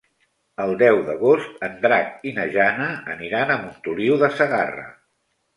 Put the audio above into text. El deu d'agost en Drac i na Jana aniran a Montoliu de Segarra.